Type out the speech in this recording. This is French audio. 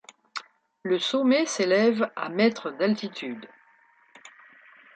Le sommet s'élève à mètres d'altitude.